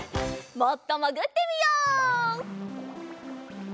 もっともぐってみよう。